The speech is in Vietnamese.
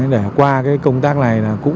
để qua công tác này